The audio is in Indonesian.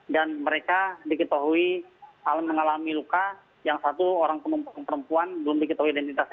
dan mereka diketahui mengalami luka yang satu orang perempuan belum diketahui identitasnya